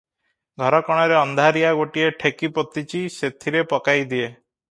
ଘରକଣରେ ଅନ୍ଧାରିଆ ଗୋଟିଏ ଠେକି ପୋତିଛି, ସେଥିରେ ପକାଇ ଦିଏ ।